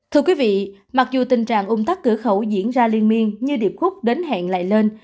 thưa quý vị mặc dù tình trạng ung tắc cửa khẩu diễn ra liên miên như điệp khúc đến hẹn lại lên